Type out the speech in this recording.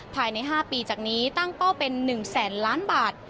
ภายใน๕ปีจากนี้ตั้งเป้าเป็น๑แสนล้านบาท